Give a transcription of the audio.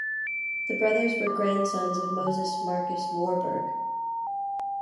The brothers were grandsons of Moses Marcus Warburg.